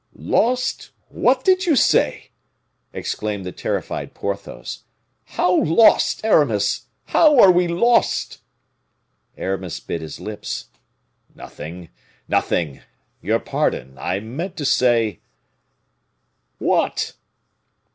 "Lost! what did you say?" exclaimed the terrified Porthos. "How lost, Aramis? How are we lost?" Aramis bit his lips. "Nothing! nothing! Your pardon, I meant to say " "What?"